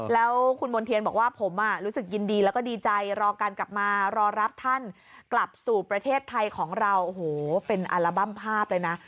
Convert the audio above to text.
แล้วคุณมณ์เทียนบอกว่าผมรู้สึกยินดีแล้วก็ดีใจรอการกลับมารอรับท่านกลับสู่ประเทศไทยของเราโอ้โหเป็นอัลบั้มภาพเลยนะ